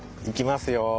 いきますよ。